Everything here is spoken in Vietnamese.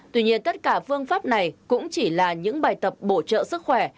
tuy nhiên tất cả phương pháp này cũng chỉ là những bài tập bổ trợ sức khỏe